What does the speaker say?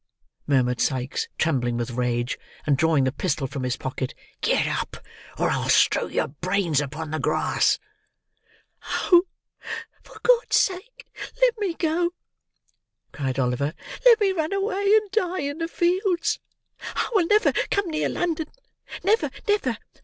murmured Sikes, trembling with rage, and drawing the pistol from his pocket; "Get up, or I'll strew your brains upon the grass." "Oh! for God's sake let me go!" cried Oliver; "let me run away and die in the fields. I will never come near London; never, never!